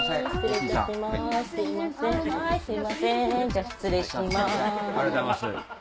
じゃあ失礼します。